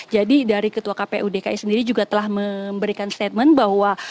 jadi dari ketua kpu dki sendiri juga telah memberikan statement bahwa